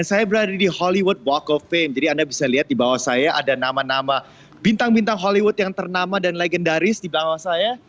saya berada di hollywood walk of fame jadi anda bisa lihat di bawah saya ada nama nama bintang bintang hollywood yang ternama dan legendaris di belakang saya